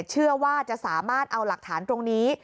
เชื่อว่าจะสามารถเอาหลักฐานตรงนี้